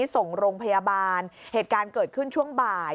ส่งโรงพยาบาลเหตุการณ์เกิดขึ้นช่วงบ่าย